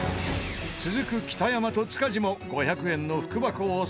続く北山と塚地も５００円の福箱を捜査。